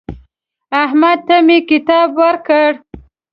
احمد ته مې کتاب ورکړ.